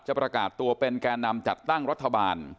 ประกาศตัวเป็นแก่นำจัดตั้งรัฐบาล